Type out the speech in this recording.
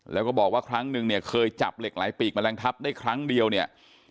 แล้วก็บอกว่าครั้งนึงเนี่ยเคยจับเหล็กไหลปีกแมลงทับได้ครั้งเดียวเนี่ย